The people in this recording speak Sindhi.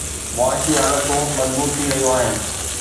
معاشي حالتون مضبوط ٿي رهيون آهن.